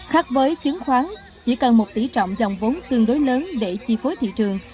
khác với chứng khoán chỉ cần một tỷ trọng dòng vốn tương đối lớn để chi phối thị trường